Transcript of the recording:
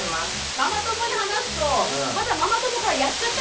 ママ友に話すとまたママ友から「やっちゃった！」